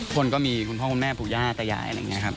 คนก็มีคุณพ่อคุณแม่ปู่ย่าตายายอะไรอย่างนี้ครับ